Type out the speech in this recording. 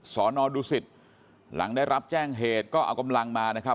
สอนอดูสิตหลังได้รับแจ้งเหตุก็เอากำลังมานะครับ